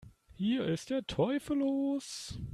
Hier ist der Teufel los!